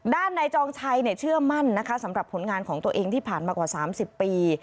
ด้านนายจองชัยเชื่อมั่นสำหรับผลงานของตัวเองที่ผ่านมากว่าสามสิบปี